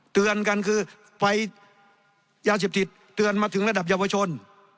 เตือนกันคือไฟยาเสพติดเตือนมาถึงระดับเยาวชน